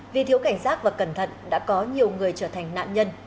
vì thiếu cảnh giác và cẩn thận đã có nhiều người trở thành nạn nhân